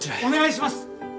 お願いします。